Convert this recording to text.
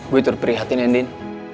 gue terperihatin ya nin